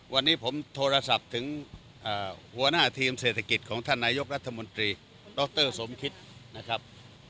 วันนี้ผมโทรศัพท์ถึงหัวหน้าทีมเศรษฐกิจของท่านนายกรัฐมนตรีดรสมคิดนะครับ